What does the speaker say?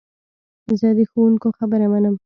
زه د ښوونکو خبره منم.